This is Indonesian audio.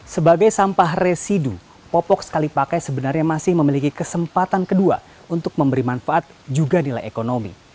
sebagai sampah residu popok sekali pakai sebenarnya masih memiliki kesempatan kedua untuk memberi manfaat juga nilai ekonomi